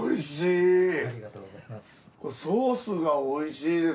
おいしい！